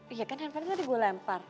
iya kan handphonenya tadi gue lempar